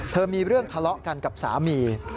มีเรื่องทะเลาะกันกับสามี